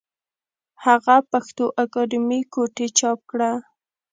هغه پښتو اکادمي کوټې چاپ کړه